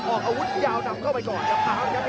ออกอาวุธยาวนำเข้าไปก่อนครับ